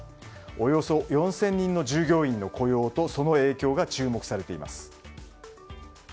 およそ４０００人の従業員の雇用とその影響が注目されています。